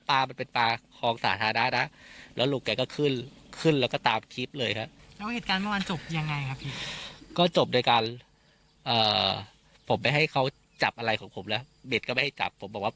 ถ้าไม่ปล่อยก็ไม่จบตัวเดียวใช่ไหมครับใช่ครับตัวเดียว